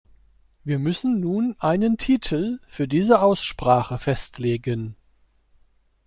Wir müssen nun einen Titel für diese Aussprache festlegen.